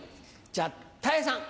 じゃあたい平さん。